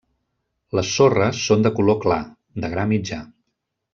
Les sorres són de color clar, de gra mitjà.